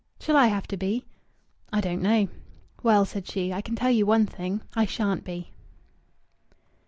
"Shall I have to be?" "I don't know." "Well," said she, "I can tell you one thing I shan't be."